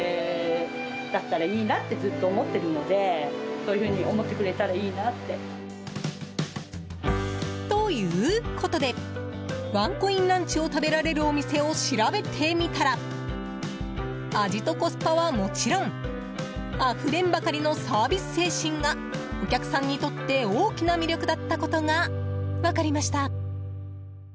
それは。ということでワンコインランチを食べられるお店を調べてみたら味とコスパはもちろんあふれんばかりのサービス精神がお客さんにとって大きな魅力だったことが分かりました。